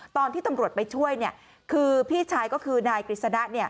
ตอนที่ตำรวจไปช่วยคือพี่ชายก็คือนายกฤษณะ